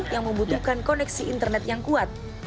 yang membutuhkan koneksi internet yang kuat